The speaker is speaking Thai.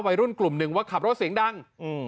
วัยรุ่นกลุ่มหนึ่งว่าขับรถเสียงดัง